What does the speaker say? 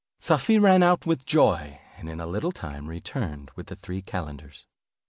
Safie ran out with joy, and in a little time after returned with the three calenders.